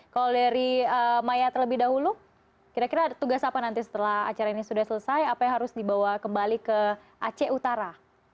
kalau dari maya terlebih dahulu kira kira tugas apa nanti setelah acara ini sudah selesai apa yang harus dibawa kembali ke aceh utara